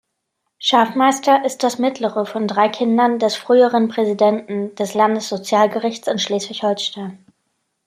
Schafmeister ist das mittlere von drei Kindern des früheren Präsidenten des Landessozialgerichts in Schleswig-Holstein.